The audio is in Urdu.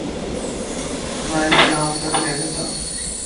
نہ اسلام خطرے میں تھا۔